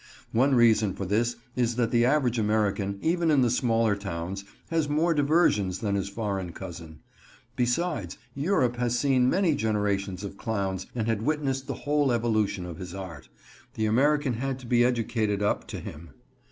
One reason for this is that the average American, even in the smaller towns, has more diversions than his foreign cousin. Besides, Europe had seen many generations of clowns, and had witnessed the whole evolution of his art. The American had to be educated up to him.